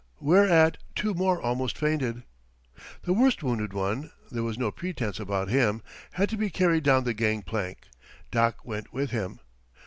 Whereat two more almost fainted. The worst wounded one there was no pretense about him had to be carried down the gang plank. Doc went with him.